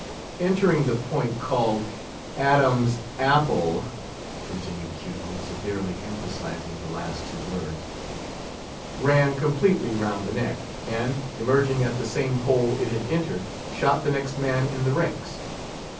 "Entering the point called Adam's Apple," continued Cuticle, severely emphasising the last two words, "ran completely round the neck, and, emerging at the same hole it had entered, shot the next man in the ranks.